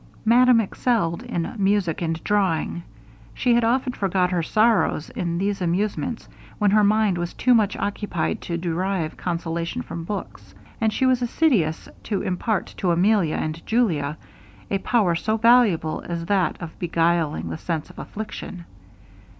Madame excelled in music and drawing. She had often forgot her sorrows in these amusements, when her mind was too much occupied to derive consolation from books, and she was assiduous to impart to Emilia and Julia a power so valuable as that of beguiling the sense of affliction.